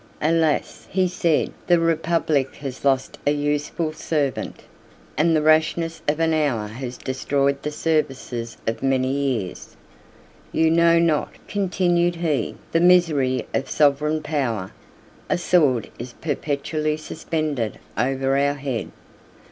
"Alas!" he said, "the republic has lost a useful servant, and the rashness of an hour has destroyed the services of many years. You know not," continued he, "the misery of sovereign power; a sword is perpetually suspended over our head.